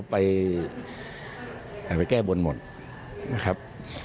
ไปแก้บนหมดนะครับ